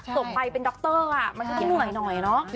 ส่วนไปเป็นดรมันก็ได้หน่อยเนอะ